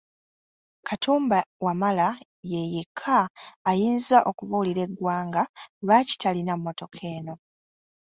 Katumba Wamala ye yekka ayinza okubuulira eggwanga lwaki talina mmotoka eno.